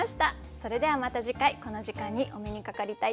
それではまた次回この時間にお目にかかりたいと思います。